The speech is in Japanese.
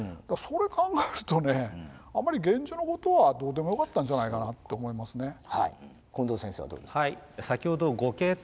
それ考えるとねあんまり源氏のことはどうでもよかったんじゃないかなと思いますね。